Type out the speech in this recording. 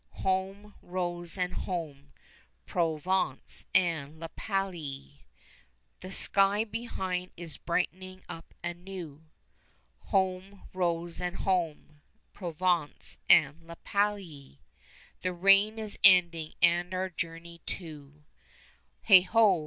40 Home, Rose, and home, Provence and La Palie. The sky behind is brightening up anew, (Home, Rose, and home, Provence and La Palie,) The rain is ending, and our journey too; Heigh ho!